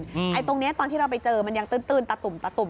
ไอ้ตรงนี้ตอนที่เราไปเจอมันยังตื้นตะตุ่มตะตุ่ม